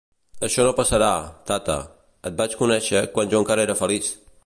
Això no passarà, Tata, et vaig conèixer quan jo encara era feliç!